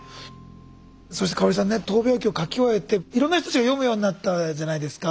そして香さんね闘病記を書き終えていろんな人たちが読むようになったじゃないですか。